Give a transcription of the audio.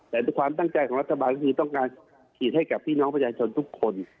แต่ด้วยความตั้งใจของรัฐบาลก็คือต้องการฉีดให้กับพี่น้องประชาชนทุกคน